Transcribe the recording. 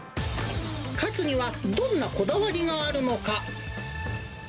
カツにはどんなこだわりがあるのか。